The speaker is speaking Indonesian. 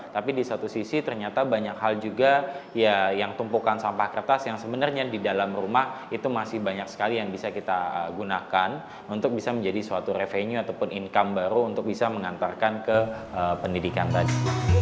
tapi di satu sisi ternyata banyak hal juga ya yang tumpukan sampah kertas yang sebenarnya di dalam rumah itu masih banyak sekali yang bisa kita gunakan untuk bisa menjadi suatu revenue ataupun income baru untuk bisa mengantarkan ke pendidikan tadi